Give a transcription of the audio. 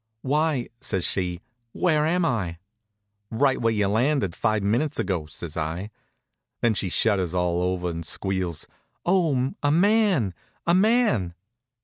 "Why!" says she. "Where am I?" "Right where you landed five minutes ago," says I. Then she shudders all over and squeals: "Oh! A man! A man!"